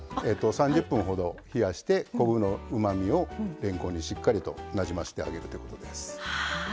３０分ほど冷やして昆布のうまみをれんこんにしっかりとなじませてあげるということです。